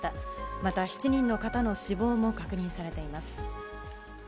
また、７人の死亡も確認されています。